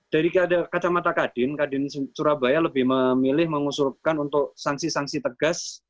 jadi kacamata kadin kadin surabaya lebih memilih mengusurkan untuk sanksi sanksi tegas